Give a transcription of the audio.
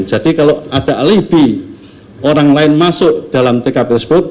jadi kalau ada alibi orang lain masuk dalam tkp tersebut